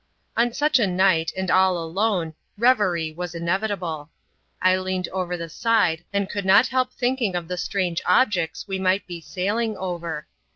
On such a night, and all alone, revery was inevitable. I leaned over the side, and could not help thinking of the strange objects we might be sailing over.